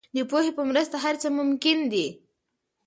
د پوهې په مرسته هر څه ممکن دي.